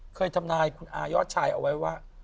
ทำนายคุณอายอดชายเอาไว้ว่า